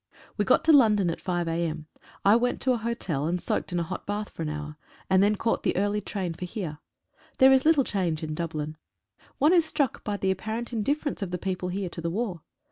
We got to London at 5 a.m. I went to an hotel, and soaked in a hot bath for an hour, and then caught the early train for here. There is little change in Dublin. One is struck by the apparent indifference of the people here to the war.